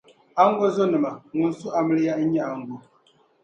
ango zonima. ŋun su amiliya n-nyɛ ango;